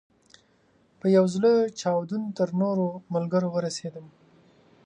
په یو زړه چاودون تر نورو ملګرو ورسېدم.